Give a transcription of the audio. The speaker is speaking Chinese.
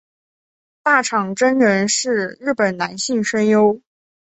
大场真人是日本男性声优。